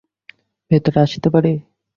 ভেতরে আসতে পারি?